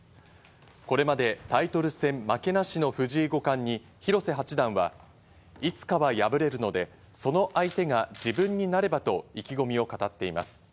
これまでタイトル戦負けなしの藤井五冠に広瀬八段はいつかは敗れるので、その相手が自分になればと意気込みを語っています。